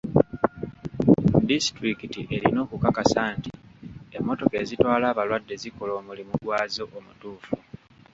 Disitulikiti erina okukakasa nti emmotoka ezitwala abalwadde zikola omulimu gwazo omutuufu.